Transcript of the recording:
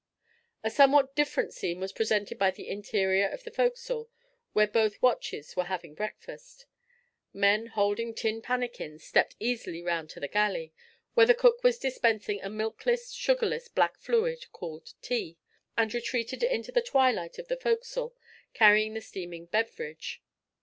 A somewhat different scene was presented by the interior of the forecastle, where both watches were having breakfast. Men holding tin pannikins stepped easily round to the galley, where the cook was dispensing a milkless, sugarless black fluid called tea, and retreated into the twilight of the forecastle, carrying the steaming beverage.